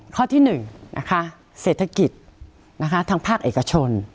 ข้อที่๑นะคะเศรษฐกิจนะคะทางภาคเอกชน